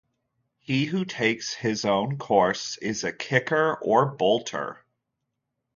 He who takes his own course is a kicker or bolter.